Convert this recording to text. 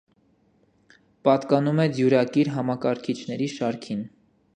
Պատկանում է դյուարկիր համակարգիչների շարքին։